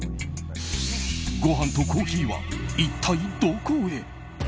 ご飯とコーヒーは一体どこへ。